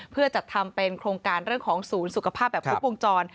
เพื่อจัดทำเป็นโครงการเรื่องของศูนย์สุขภาพแบบครบวงจร